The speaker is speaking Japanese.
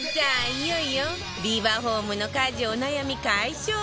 いよいよビバホームの家事お悩み解消グッズ